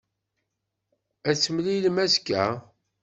Ad t-temlilem azekka.